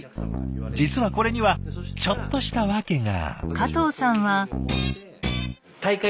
実はこれにはちょっとした訳が。